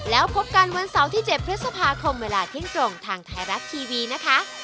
แล้วพบกันวันเสาร์ที่๗พฤษภาคมเวลาเที่ยงตรงทางไทยรัฐทีวีนะคะ